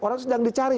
orang sedang dicari